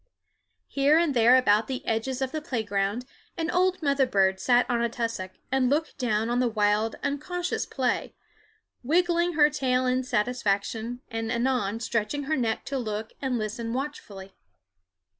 Here and there about the edges of the playground an old mother bird sat on a tussock and looked down on the wild unconscious play, wiggling her tail in satisfaction and anon stretching her neck to look and listen watchfully.